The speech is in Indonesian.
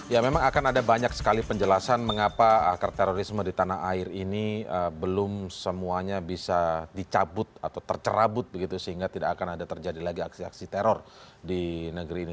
ya memang akan ada banyak sekali penjelasan mengapa akar terorisme di tanah air ini belum semuanya bisa dicabut atau tercerabut begitu sehingga tidak akan ada terjadi lagi aksi aksi teror di negeri ini